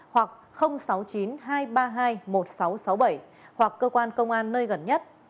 hoặc sáu mươi chín hai trăm ba mươi hai một nghìn sáu trăm sáu mươi bảy hoặc cơ quan công an nơi gần nhất